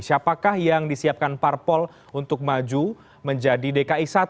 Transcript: siapakah yang disiapkan parpol untuk maju menjadi dki satu